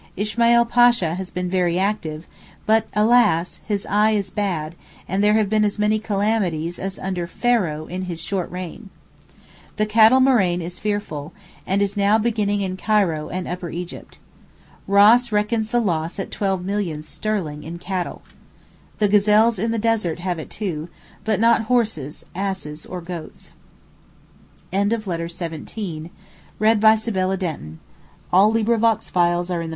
Ismail Pasha has been very active, but, alas! his 'eye is bad,' and there have been as many calamities as under Pharaoh in his short reign. The cattle murrain is fearful, and is now beginning in Cairo and Upper Egypt. Ross reckons the loss at twelve millions sterling in cattle. The gazelles in the desert have it too, but not horses, asses or goats. October 26, 1863: Sir Alexander Duff Gordon To Sir Alexander Duff Gordon.